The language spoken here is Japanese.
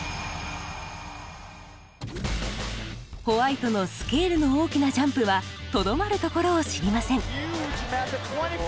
ホワイトのスケールの大きなジャンプはとどまるところを知りません。